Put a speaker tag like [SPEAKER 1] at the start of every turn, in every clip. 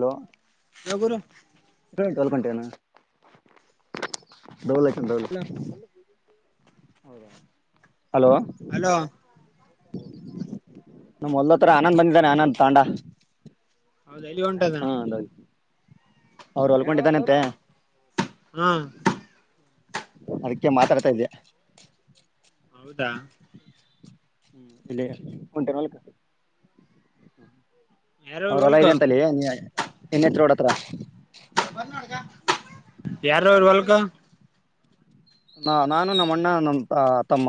[SPEAKER 1] Hello.
[SPEAKER 2] ನಗುರು
[SPEAKER 1] ಲ್ಂಟ ಲ್ ೌಲ್ ಹೌದಾ ಹಲೋ
[SPEAKER 2] ಹಲೋ
[SPEAKER 1] ನಮ್ಮ ಮದತ್ರ ಆನಂದ್ ಬಂದಿದ್ದಾನೆ ಆನಂದ್ ತಾಂಡ
[SPEAKER 2] ಹೌದ ಇಲ್ಲಿ ಉಂಟ್ದನ
[SPEAKER 1] ಅವ್ರು ಹೊಲ್ಕೊಂಡಿದ್ದಾನಂತೆ
[SPEAKER 2] ಹ್ಮ
[SPEAKER 1] ಅದಕ್ಕೆ ಮಾತಾಡ್ತಾ ಇದೆ
[SPEAKER 2] ಹೌದಾ.
[SPEAKER 1] ಲೆ ಹೊಂಟೆನು ಹೊಲಕ್ಕ.
[SPEAKER 2] ಯಾರವ್ರ
[SPEAKER 1] ಅವ್ರ ಹೊಲ
[SPEAKER 2] ಹೊಲ್ಕ
[SPEAKER 1] ಆಯ್ತು ಅಂತ ಲೆ ಏನೇಚ್ ರೋಡ್ ಹತ್ತಿರ.
[SPEAKER 2] [unintelligible] ಯಾರ ಹೋಗಿರಿ ಹೊಲಕ್ಕ.
[SPEAKER 1] ನ ನಾನು ನಮ್ಮಣ್ಣ ನಮ್ಮ ತಮ್ಮ.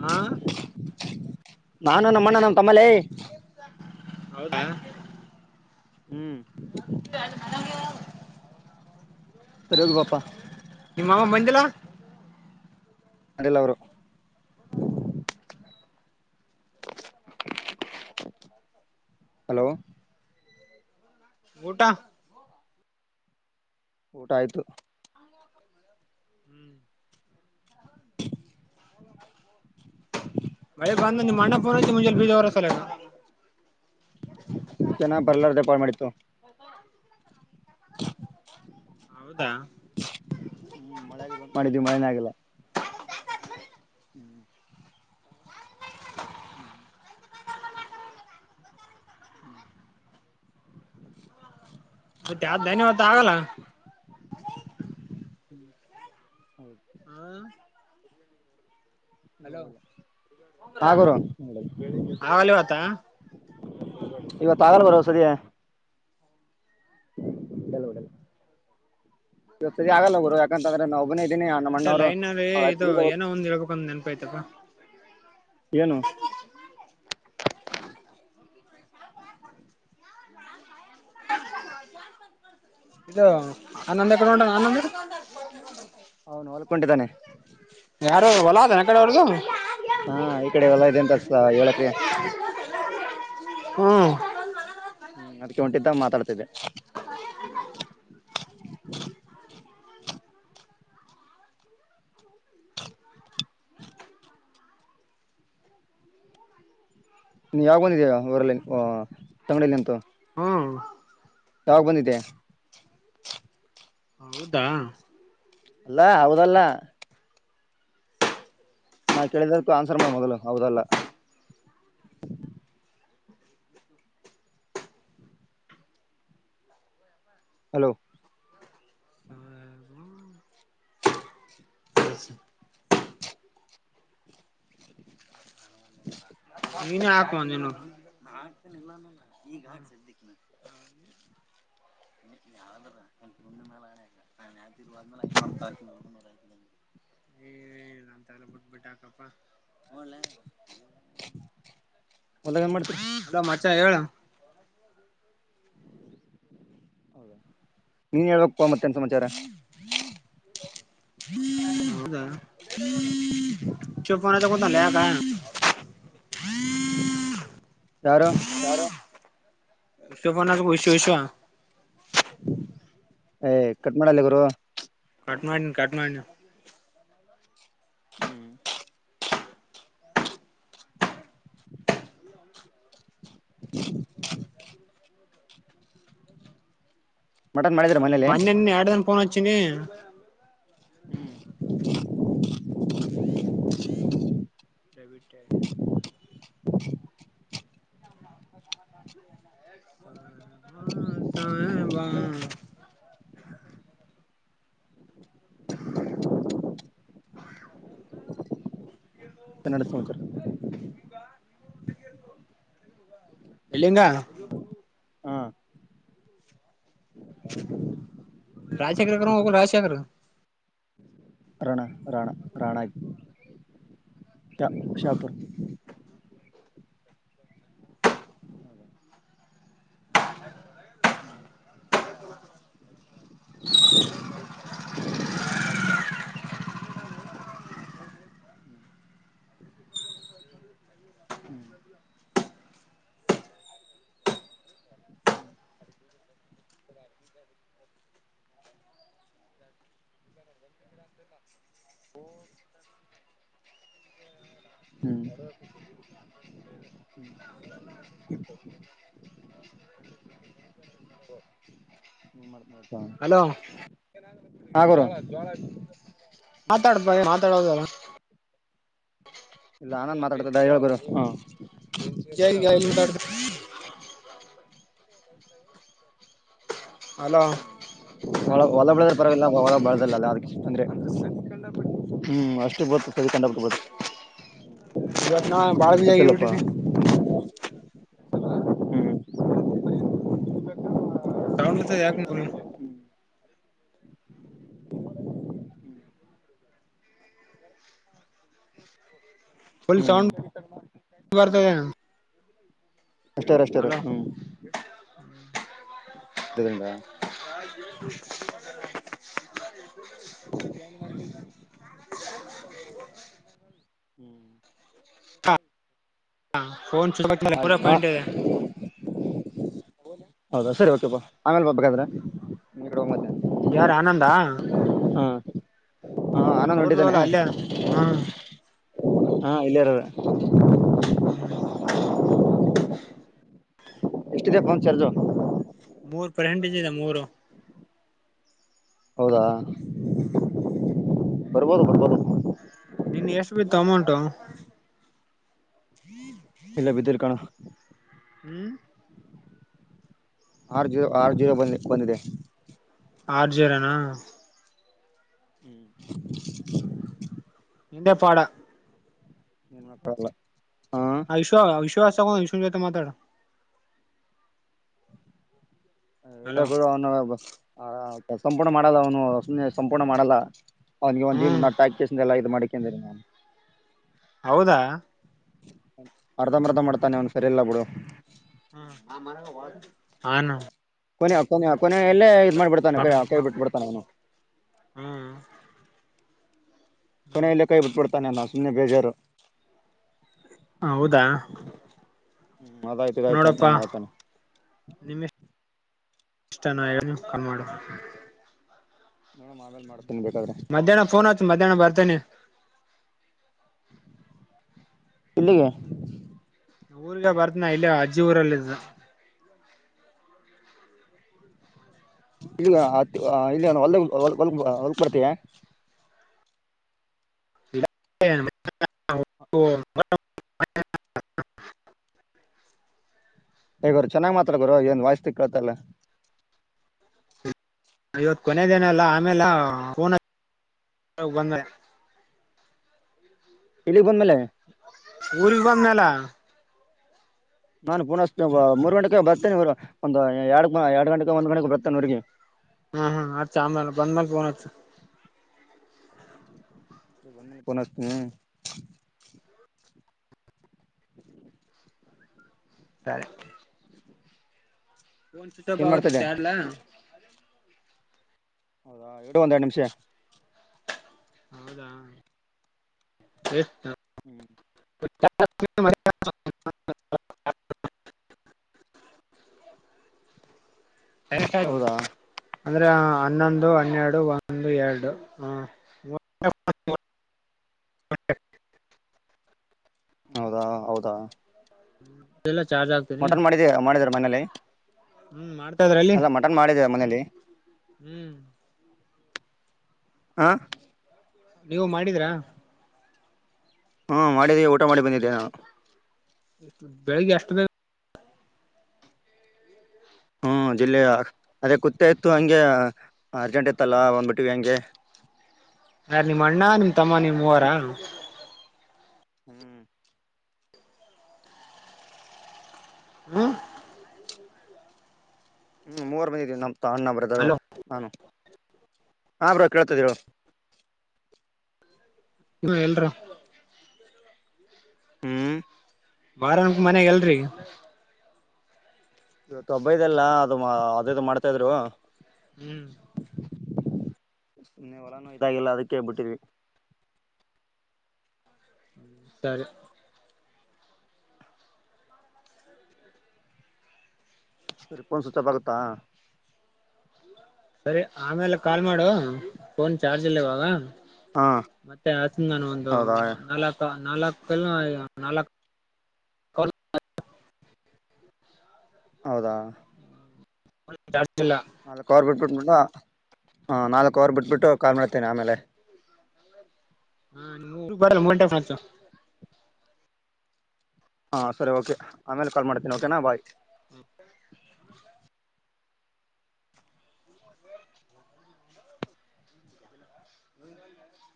[SPEAKER 2] ಹ್ಮ್ಮ್.
[SPEAKER 1] ನಾನು ನಮ್ಮಣ್ಣ ನಮ್ಮ ತಮ್ಮಲೆ.
[SPEAKER 2] ಹೌದಾ.
[SPEAKER 1] ಹ್ಮ್
[SPEAKER 2] [unintelligible]
[SPEAKER 1] ಸರಿ ಹೋಗಿ ಬಾ ಪಾ.
[SPEAKER 2] ನಿಮ್ಮ ಅಮ್ಮ ಬಂದಿಲ್ಲ.
[SPEAKER 1] ಬಂದಿಲ್ಲಾ ಅವರು. ಹಲೋ.
[SPEAKER 2] ಊಟ.
[SPEAKER 1] ಊಟ ಆಯ್ತು.
[SPEAKER 2] [inaudible] ಮಳೆ ಬಂದ ನಿಮ್ಮ ಅಣ್ಣ ಬಂದ ಬೀಜ ಉರಬೇಕು ಲೆ ನಾನು.
[SPEAKER 1] ಮತ್ತೆನ ಬರ್ಲಾರದ ಪಾಡ ಮಾಡಿದೀ ತಗೊ.
[SPEAKER 2] ಹೌದಾ
[SPEAKER 1] ಹ್ಮ್ ಮಳೆ ಆಗ ಮಾಡಿದ್ವಿ ಮಳೆನೇ ಆಗಲ್ಲ. [inaudible] [inaudible] [inaudible]
[SPEAKER 2] ಮತ್ತೆ ಯಾವ್ದ್ ಧನ್ಯವಾದ ಆಗಲ್ಲ [unintelligible]
[SPEAKER 1] [unintelligible]
[SPEAKER 2] ಹ್ಮ.
[SPEAKER 1] [unintelligible]
[SPEAKER 2] ಆಗಲ್ಲ ಇವತ್ತ
[SPEAKER 1] ಇವತ ಆಗಾಲ್ಲ ಬ್ರೋ ಸರಿಯ. [unintelligible] ಇವತು ಆಗಲ್ಲ ಬ್ರೋ.
[SPEAKER 2] ಅಷ್ಟ ಲೈನ್ ಇದು ಏನೋ ಒಂದ್ ಇಳಬೇಕು ಅಂದೇ ನೆನಪ ಹೋಯ್ತಾ ಪಾ.
[SPEAKER 1] ಏನು.
[SPEAKER 2] [unintelligible] ಇದು ಆನಂದ ಏಕಡೆ ಹೊಂಟನ ಆನಂದ.
[SPEAKER 1] ಹೌನು ಹೊಲ್ಕೊಂಡಿದ್ದಾನೆ.
[SPEAKER 2] ಯಾರು ಹೊಲ ಆದ ಏನು ಆಕಡೆ ಅವ್ರದು.
[SPEAKER 1] ಹ್ಮ್ಮ್ ಈ ಕಡೆ ಹೋಲ ಇದೆ ಅಂತೆ ಏಳು ಹೆಕ್ರೆ.
[SPEAKER 2] ಹ್ಮ್.
[SPEAKER 1] ಹ್ಮ್ ಅದಕ್ಕೆ ಹೊಂಟಿದ್ದ ಮಾತಾಡತಾ ಇದೆ. ನೀ ಯಾವ ಬಂದಿದೀಯ ಊರಲ್ಲಿ ತಂಗಡಿಯಲ್ಲಿ ಅಂತ.
[SPEAKER 2] ಹ್ಮ್
[SPEAKER 1] ಯಾವಾಗ ಬಂದಿದ್ದೆ
[SPEAKER 2] ಹೌದಾ
[SPEAKER 1] ಅಲ್ಲಾ ಹೌದಲ್ಲ ನಾ ಕೇಳಿದದಕ್ಕೂ ಆನ್ಸರ್ ಮಾಡ ಮೊದಲು ಹೌದಲ್ಲ ಹಲೋ [inaudible]
[SPEAKER 2] ನೀನ ಹಾಕುವನು ಈ [unintelligible]
[SPEAKER 1] [inaudible]
[SPEAKER 2] [unintelligible] ಏ ಹೇಳ ಅಂತ ಎಲ್ಲ ಬಿಟ್ಬಿಟ್ಟ ಹಾಕಪ್ಪ.
[SPEAKER 1] ಹೊಲ್ದಾಗ ಏನ್ ಮಾಡ್ತೀರಿ
[SPEAKER 2] ಅಲೋ ಮಚಾ ಹೇಳ.
[SPEAKER 1] ಹೌದಾ ನೀನ್ ಹೇಳ್ಬೇಕಕ್ ಮತ್ತೆನ್ ಸಮಾಚಾರ.
[SPEAKER 2] [unintelligible] ಹೌದ. [unintelligible]
[SPEAKER 1] ಯಾರು
[SPEAKER 2] [unintelligible] ಯಾರು. [unintelligible]
[SPEAKER 1] ಏ ಕಟ್್ಮಲ್ಲಿ ಗರು
[SPEAKER 2] ಕಾಟ್್ಮಡಿನ ಕಾಟ್್ಮಡಿನ
[SPEAKER 1] ಹ್ಮ್ ಮಟನ್ ಮಾಡಿದ್ರ ಮನೇಲಿ
[SPEAKER 2] ಹ ಮ್ಣೆ ಎಡು ತಾನೆ ಪನಚನ
[SPEAKER 1] ಹ್ಮ್
[SPEAKER 2] ರಬಡ್ೆ ಹ ಸಾಯಬಾ
[SPEAKER 1] ಇನ್ನಡು ಸಮಚರ್
[SPEAKER 2] ಎಲ್ಲಿಂದ
[SPEAKER 1] ಹಾ
[SPEAKER 2] ರಾಜಶೇಖರ್ ಕೋಗ ರಾಜಶೇಖರ್
[SPEAKER 1] ರಾಣ ರಾಣ ರಾಣಾಗಿ ಚಾ ಉ ಶಾಪ ಹ್ಮ್ ಹ್ಮ್ ಹ್ಮ್ ಹ್ಮ್ ಂದ ಕಡೆ ಅಲ್ಲ ಂಡಂಡ ನೀನ್
[SPEAKER 2] ಹಲೋ
[SPEAKER 1] ಮಾಡ್ಿ ಹ
[SPEAKER 2] ಮಾತಾಡ್ಬ ಮಾತಾಡೋದಲ್ಲ
[SPEAKER 1] ಇಲ್ಲ ನಾನನ್ ಮಾತಾಡ್ತ್ದ ಹಳ್ಗುರು
[SPEAKER 2] ಜಗ ಇಲ್ಲ ಮಾಡ್
[SPEAKER 1] ಬೈಸ
[SPEAKER 2] ಹಲೋ
[SPEAKER 1] ಹೊಲ ಹೊಲ ಬಳದರ್ ಪರವಾಗಿಲ್ಲ ಹೊಲ ಬಳದಲ್ಲ ಯದ ಇಷ್ಟ ತಂದ್ರೆ ಹ್ಮ್ ಅಷ್ಟೇ ಬತ್ತು ಸದ ಕಂಡ ಬಿಿಟ್ಟು ಬತ್ತ
[SPEAKER 2] ಇವತ್ ನಾ ಬಾಳ ಬಿಜಿ
[SPEAKER 1] ಸತ್ತಲ್ಲಪ್ಪಾ
[SPEAKER 2] ಆಗಿಬಿಟ್ಟಿನಿ
[SPEAKER 1] ಲ ಹ್ಮ್
[SPEAKER 2] ತೌ ಯಾಕ ಫುಲ್
[SPEAKER 1] ಹ್ಮ್
[SPEAKER 2] ಸೌಂಡ್ ಬರ್ತದೆ
[SPEAKER 1] ಅಷ್ಟಾರ್ ಅಷ್ಟಾರ್
[SPEAKER 2] ಹಲೋ
[SPEAKER 1] ಹ್ಮ್ ಇದರಿಂದ
[SPEAKER 2] [inaudible]
[SPEAKER 1] ನ ಮಾಡ ಹ್ಮ್
[SPEAKER 2] ಹ ಫೋನ್ ಪೂರ ಪಾಯಿಂಟ್ ಇದೆ
[SPEAKER 1] ಹೌದಾ ಸರಿ ಓಕೆ ಬ ಆಮೇಲೆ ಬಾ ಬೇಕಾದ್ರೆ ನಿ್ ಕಡೆ ಹೋಗ್ ಮತ್ತೆ
[SPEAKER 2] ಯಾರು ಆನಂದಾ
[SPEAKER 1] ಹಾ ಹಾ ಆನ
[SPEAKER 2] ಅವ್ರ್ದು
[SPEAKER 1] ನಡಿದ್ದಾನೆ
[SPEAKER 2] ಅಲ್ಲ ಅಲ್ಲೇ ಹ್ಮ
[SPEAKER 1] ಹಾ ಇಲ್ಲಿಾರದ
[SPEAKER 2] ಹ್ಮ್
[SPEAKER 1] ಎಷ್ಟಿದೆ ಫೋನ್ ಚಾರ್ಜು
[SPEAKER 2] ಮೂರ್ ಫ್ರೆಂಡ್ ಇದಿದ್ದಿದೆ ಮೂರು
[SPEAKER 1] ಹೌದಾ
[SPEAKER 2] [inaudible]
[SPEAKER 1] ಬರ್ಬೋದು ಬರ್ಬೋದು
[SPEAKER 2] ಎಷ್ಟ್ ಬಿತ್ತು ಅಮೌಂಟು
[SPEAKER 1] ಇಲ್ಲ ಬಿದ್ದಿರ್ ಕಣೋ
[SPEAKER 2] ಹ್ಮ್
[SPEAKER 1] ಆರ್ ಜಿರೊ ಆರ್ ಜಿರೊ ಬಂದ ಬಂದಿದೆ
[SPEAKER 2] ಆರ್ ಜೀರೋನ
[SPEAKER 1] ಹ್ಮ್
[SPEAKER 2] ಹ್ಮ್ ನಿಂದೆ ಪಾಡ
[SPEAKER 1] ನೀನ್ ಮತ ಅಲ್ಲ
[SPEAKER 2] ಆಯಶು ವಿಶ್ವ ವಿಶ್ವನ್ ಜೊತೆ ಮಾತಾಡು
[SPEAKER 1] ಎಲ್ಲ
[SPEAKER 2] ಹಲೋ
[SPEAKER 1] ಕೂಡ ಅವನು ಸಂಪೂರ್ಣ ಮಾಡಲ್ಲ ಅವನು ಸುಮ್ನೆ ಸಂಪೂರ್ಣ ಮಾಡಲ್ಲ ಅವನ್ಗೆ ಒಂದ್ ಜೀಮ್
[SPEAKER 2] ಹ್ಮ್
[SPEAKER 1] ನಟ್ಟ ಹಾಕ್ಕಸ ಎಲ್ಲಾ ಇದ್ ಮಾಡಿಕೊಂಡೀನಿ ನಾನು
[SPEAKER 2] ಹೌದಾ
[SPEAKER 1] ಅರ್ಧ ಮರ್ಧ ಮಾಡ್ತಾನೆ ಅವ್ನು ಸರಿಯಲ್ಲ ಬಿಡು
[SPEAKER 2] ಹ ಹಾಂ ಅನ್ನು
[SPEAKER 1] [unintelligible] ಎಲ್ಲೇ ಮಾಡಿಬಡ್ತಾನೆ ಕೈ ಬಿಟ್ಬಡ್ತಾನೆ ಅವನು
[SPEAKER 2] ಹ್ಮ್
[SPEAKER 1] ಕೊನೆಲ್ಲೆ ಕೈ ಬಿಟ್ಬಡ್ತಾನೆ ಅವ್ನು ಸುಮ್ನೆ ಬೇಜಾರು
[SPEAKER 2] ಹ ಹೌದಾ
[SPEAKER 1] ಹ್ಮ್
[SPEAKER 2] ನೋಡಪ್ಪಾ
[SPEAKER 1] [unintelligible]
[SPEAKER 2] ಇಷ್ಟ ನಾಯಕನು ಕಾಲ್ ಮಾಡು
[SPEAKER 1] ಆಮೇಲೆ ಮಾಡ್ತೇನಿ ಬೇಕಾದ್ರೆ
[SPEAKER 2] ಮಧ್ಯಾಹ್ನ ಫೋನ್ ಹಚ್ಚು ಮಧ್ಯಾಹ್ನ ಬರ್ತನಿ
[SPEAKER 1] ಯಲ್ಲಿಗೆ
[SPEAKER 2] ಊರ್ಲೆ ಬರ್ತನ ಇಲ್ಲೆ ಅಜ್ಜಿ ಊರಲ್ಲಿದ್ದ
[SPEAKER 1] [unintelligible]
[SPEAKER 2] [unintelligible]
[SPEAKER 1] ಗುರು ಚೆನ್ನಾಗ್ ಮಾತಾಡು ಗುರು ಏನ್ ವಾಯ್ಸ್ ಸ್ಟಿಕ್ ಆಯಿತಲ್ಲ
[SPEAKER 2] ಕೊನದೇನ ಅಲ್ಲ ಆಮೇಲೆ ಫೋನ್ ಹಚ್ [unintelligible]
[SPEAKER 1] ಇಲ್ಲಿಗ್ ಬಂದ್ಮೇಲೆ
[SPEAKER 2] ಊರಿಗ್ ಬಂದ್ನಲ್ಲ
[SPEAKER 1] ನಾನ್ ಪುನಃ ಮೂರ್ ಗಂಟೆಗೆ ಹಚ್ತಿನಿ ಬರ್ತೇನೆ ಇರು ಒಂದು ಎರಡು ಎರಡು ಗಂಟೆಗೆ ಒಂದ್ ಗಂಟೆಗೆ ಬರ್ತೇನೆ ಊರಿಗೆ
[SPEAKER 2] ಹ್ಮ್ ಹ್ಮ್ ಹಚ ಆಮೇಲೆ ಬಂದ ಮೇಲ್ ಪೋನ್ ಹಚ್ಚ.
[SPEAKER 1] [unintelligible] [unintelligible]
[SPEAKER 2] ಸರಿ. ಪೋನ್ ಸ್ವಿಚ್ ಆಫ್
[SPEAKER 1] ಏನ್
[SPEAKER 2] ಆಗುತ್ತ
[SPEAKER 1] ಮಾಡ್ತಿದ್ದೆ
[SPEAKER 2] ಚಾರ್ಜ್ ಇಲ್ಲ.
[SPEAKER 1] ಹೌದಾ ಎರಡು ಒಂದೆರಡು ನಿಮಿಷ
[SPEAKER 2] ಹೌದಾ ಎಷ್ಟ
[SPEAKER 1] [inaudible]
[SPEAKER 2] [unintelligible] [unintelligible]
[SPEAKER 1] ಹೌದಾ
[SPEAKER 2] ಅಂದರೆ ಹನ್ನೊಂದು ಹನ್ನೆರಡು ಒಂದು ಎರಡು [unintelligible] [unintelligible]
[SPEAKER 1] ಹೌದಾ ಹೌದಾ
[SPEAKER 2] [inaudible]
[SPEAKER 1] ಮಟನ್ ಮಾಡಿದ್ದೆ ಮಾಡಿದ್ದೆ ಮನೇಲಿ
[SPEAKER 2] ಹ್ಮ್ ಮಾಡ್
[SPEAKER 1] ಅಲ್ಲ ಮಟನ್ ಮಾಡಿದಿಯ ಮನೇಲಿ.
[SPEAKER 2] ಹ್ಮ್
[SPEAKER 1] ಹಾ.
[SPEAKER 2] ನೀವು ಮಾಡಿದ್ರ.
[SPEAKER 1] ಹಾ ಮಾಡಿದ್ದೀವಿ ಊಟ ಮಾಡಿ ಬಂದಿದ್ದೆ ನಾನು.
[SPEAKER 2] ಎಷ್ಟು ಬೆಳಿಗ್ಗೆ ಎಷ್ಟ
[SPEAKER 1] ಹ್ಮ್ ಜಿಲ್ಲೆ ಅದೇ ಕುತ್ತ ಇತ್ತು ಹಂಗೆ ಅರ್ಜೆಂಟ್ ಇತ್ತಲ್ಲ ಬಂದ್ಬಿಟ್ಟವಿ ಹಂಗೆ. [inaudible]
[SPEAKER 2] ಯಾರ್ ನಿಮ್ಮ ಅಣ್ಣ ನಿಮ್ ತಮ್ಮ ನಿಮ್ಮ ಮೂವರಾ.
[SPEAKER 1] ಹ್ಮ್.
[SPEAKER 2] ಹ್ಮ್.
[SPEAKER 1] ಹ್ಮ್ ಮೂವರ ಬಂದಿವಿ ನಾವು. ಅಣ್ಣ ಬ್ರದರು
[SPEAKER 2] ಹಲೋ
[SPEAKER 1] ನಾನು ಹಾ ಬ್ರೋ ಕೇಳ್ತದೇ ಹೇಳು.
[SPEAKER 2] ಎಲ್ರು.
[SPEAKER 1] ಹ್ಮ್.
[SPEAKER 2] ಬಾರನ್ಕ್ ಮನ್ಯಾಗ ಎಲ್ರರಿಗಿ.
[SPEAKER 1] ಇವತ್ತು ಒಬ್ಬ ಇದೆಲ್ಲ ಅದು ಇದು ಮಾಡ್ತಾ ಇದ್ರು.
[SPEAKER 2] ಹ್ಮ್
[SPEAKER 1] ಸುಮ್ಮನೆ ಹೊಲಾನು ಇದಾಗಿಲ್ಲ ಅದಕ್ಕೆೇಬಿಟ್ಟರ್ವಿ.
[SPEAKER 2] ಹ್ಮ ಸರಿ.
[SPEAKER 1] ಸರಿ ಪೋನ್ ಸ್ವಿಚ್ ಆಫ್ ಆಗುತ್ತಾ.
[SPEAKER 2] ಸರಿ ಆಮೇಲೆ ಕಾಲ್ ಮಾಡು ಫೋನ್ ಚಾರ್ಜ್ ಇಲ್ಲವಾಗ.
[SPEAKER 1] ಹಾ
[SPEAKER 2] ಮತ್ತೆ ಹಚತಿನಿ ನಾನು. ಒಂದು
[SPEAKER 1] ಹೌದಾ
[SPEAKER 2] ನಾಲ್ಕು, ನಾಲ್ಕು [unintelligible]
[SPEAKER 1] ಹೌದಾ.
[SPEAKER 2] [unintelligible]
[SPEAKER 1] ನಾಲ್ಕು ಅವರ್ ಬಿಟ್ಬಿಟ್ಬಿಟ್ಟು ಹಾ ನಾಲ್ಕು ಅವರ್ ಬಿಟ್ಬಿಟ್ಟು ಕಾಲ್ ಮಾಡ್ತೇನಿ ಆಮೇಲೆ.
[SPEAKER 2] [unintelligible]
[SPEAKER 1] ಹಾ ಸರಿ ಓಕೆ ಆಮೇಲೆ ಕಾಲ್ ಮಾಡ್ತೀನಿ ಓಕೆನಾ ಬಾಯ್.
[SPEAKER 2] [inaudible] [inaudible]